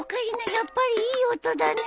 やっぱりいい音だね。